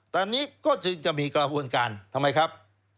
ตอนนี้ก็จึงจะมีกระบวนการทำไมครับ